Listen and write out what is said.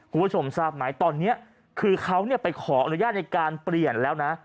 คุณผู้ชมทราบไหมตอนนี้คือเขาไปขออนุญาตในการเปลี่ยนแล้วนะ